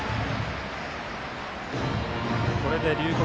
これで龍谷